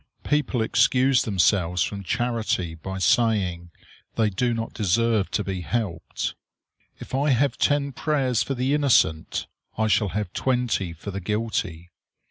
People excuse themselves from charity by saying they do not deserve to be helped. If I have ten prayers for the innocent, I shall have twenty for the guilty.